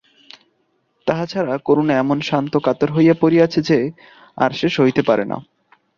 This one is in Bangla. তাহা ছাড়া করুণা এমন শ্রান্ত কাতর হইয়া পড়িয়াছে যে আর সে সহিতে পারে না।